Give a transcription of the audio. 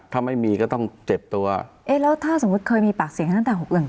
ถ้าไม่มีก็ต้องเจ็บตัวเอ๊ะแล้วถ้าสมมุติเคยมีปากเสียงกันตั้งแต่หกหนึ่ง